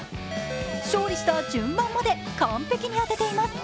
勝利した順番まで完璧に当てています。